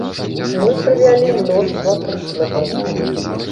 Мы прывялі мноства прыкладаў.